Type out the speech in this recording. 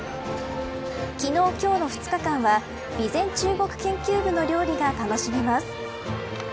昨日、今日の２日間は美膳中国研究部の料理が楽しめます。